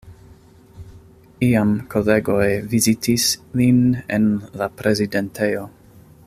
Iam kolegoj vizitis lin en la prezidentejo.